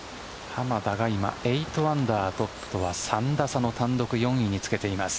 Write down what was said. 濱田が今８アンダートップは３打差の単独４位につけています。